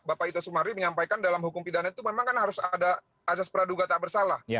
tadi bapak ito sumari menyampaikan dalam hukum pidana itu memang kan harus ada asas peraduga tak bersalah